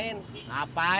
ini apaan sih